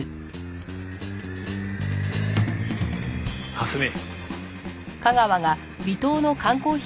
蓮見。